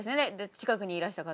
近くにいらした方は。